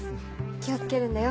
気を付けるんだよ。